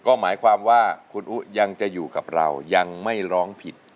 ก็หมายความว่าคุณอุ๊ยังจะอยู่กับเรายังไม่ร้องผิด